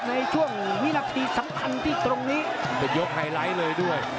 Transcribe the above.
ในช่วงวินาทีสำคัญที่ตรงนี้เป็นยกไฮไลท์เลยด้วย